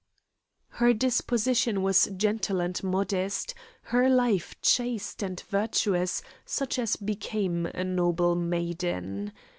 Her disposition was gentle and modest, her life chaste and virtuous such as became a noble maiden.